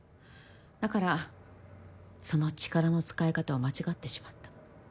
だからその力の使い方を間違ってしまった。